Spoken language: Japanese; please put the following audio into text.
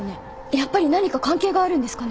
やっぱり何か関係があるんですかね？